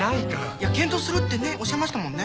いや検討するってねおっしゃいましたもんね。